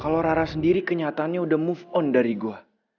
kalau rara sendiri kenyataannya udah move on dari gue